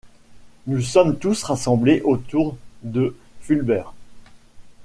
Nous sommes tous rassemblés autour de Fulbert.